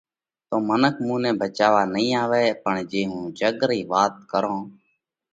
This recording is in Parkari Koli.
تو منک مُونئہ ڀچاوا نئين آوئہ، پڻ جي هُون جڳ رئِي وات ڪرون